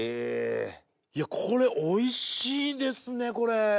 これおいしいですねこれ。